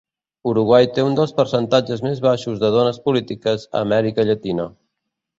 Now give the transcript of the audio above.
Uruguai té un dels percentatges més baixos de dones polítiques a Amèrica Llatina.